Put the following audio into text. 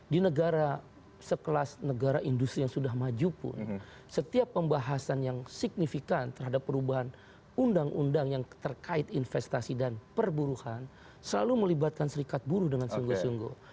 di negara sekelas negara industri yang sudah maju pun setiap pembahasan yang signifikan terhadap perubahan undang undang yang terkait investasi dan perburuhan selalu melibatkan serikat buruh dengan sungguh sungguh